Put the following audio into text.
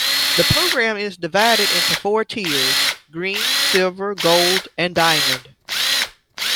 The program is divided into four tiers: Green, Silver, Gold, and Diamond.